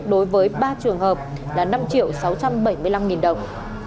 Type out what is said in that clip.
đối với ba trường hợp là năm sáu trăm bảy mươi năm đồng